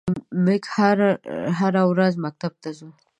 میږ هره ورځ مکتب ته څو.